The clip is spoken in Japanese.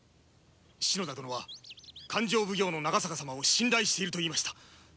篠田殿は勘定奉行の永坂様を信頼していると言いました。ですから。